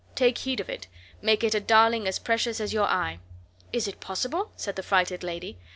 Take heed of it. Make it a darling as precious as your eye." "Is it possible?" said the frighted lady.